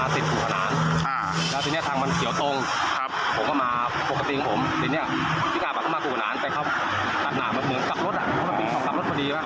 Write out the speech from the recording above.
ส่งแฟนแล้วมายังไงเห็นได้ชนขนาดนี้